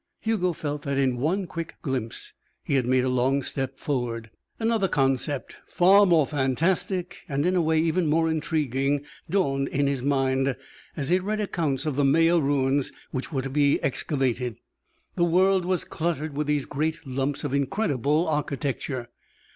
Hugo felt that in one quick glimpse he had made a long step forward. Another concept, far more fantastic and in a way even more intriguing, dawned in his mind as he read accounts of the Maya ruins which were to be excavated. The world was cluttered with these great lumps of incredible architecture.